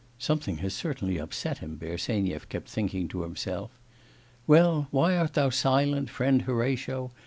(Something has certainly upset him, Bersenyev kept thinking to himself.) 'Well, why art thou silent, friend Horatio?